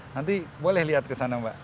nanti boleh lihat ke sana mbak